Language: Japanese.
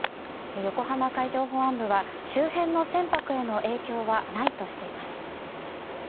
横浜海上保安部は周辺の船舶への影響はないとしています。